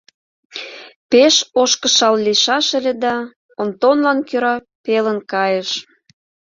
Пеш ош кышал лийшаш ыле да, Онтонлан кӧра пелын кайыш.